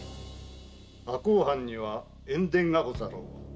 赤穂藩には塩田がござろう。